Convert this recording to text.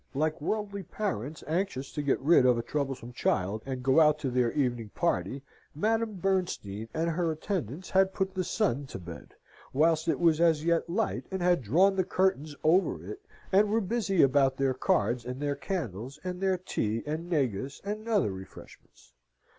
Like worldly parents anxious to get rid of a troublesome child, and go out to their evening party, Madame Bernstein and her attendants had put the sun to bed, whilst it was as yet light, and had drawn the curtains over it, and were busy about their cards and their candles, and their tea and negus, and other refreshments.